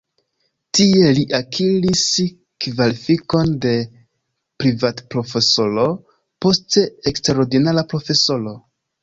Tie li akiris kvalifikon de privatprofesoro, poste eksterordinara profesoro.